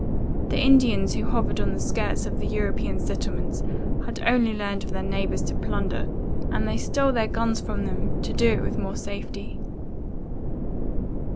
The Indians who hovered on the skirts of the European settlements had only learned of their neighbours to plunder, and they stole their guns from them to do it with more safety.